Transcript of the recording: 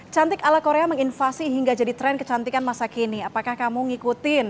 cantik ala korea menginvasi hingga jadi tren kecantikan masa kini apakah kamu ngikutin